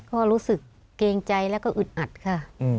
ก็รู้สึกเกรงใจแล้วก็อึดอัดค่ะ